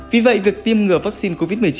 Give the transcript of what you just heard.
vì vậy việc tiêm ngừa vaccine covid một mươi chín